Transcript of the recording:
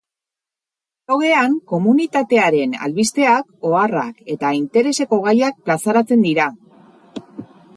Blogean komunitatearen albisteak, oharrak eta intereseko gaiak plazaratzen dira.